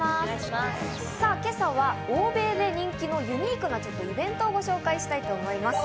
今朝は欧米で人気のユニークなイベントをご紹介したいと思います。